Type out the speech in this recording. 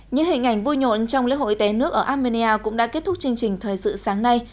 những hình ảnh vui nhộn trong lễ hội té nước ở armenia cũng đã kết thúc chương trình thời sự sáng nay